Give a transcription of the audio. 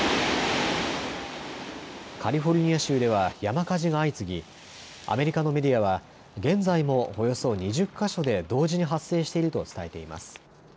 カリフォルニア州では山火事が相次ぎ、アメリカのメディアは現在もおよそ２０か所で同時に発生していると伝えています。